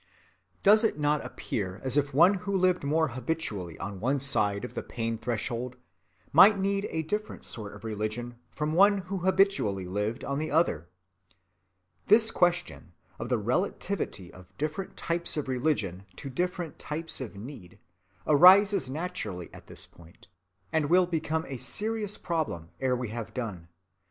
Does it not appear as if one who lived more habitually on one side of the pain‐threshold might need a different sort of religion from one who habitually lived on the other? This question, of the relativity of different types of religion to different types of need, arises naturally at this point, and will become a serious problem ere we have done.